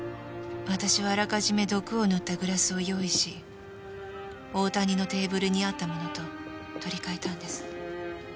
私はあらかじめ毒を塗ったグラスを用意し大谷のテーブルにあったものと取り換えたんです。